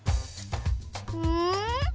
うん？